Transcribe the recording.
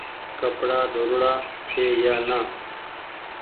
ڪپڙآ ڌوڙاڙا ڇي يا نآ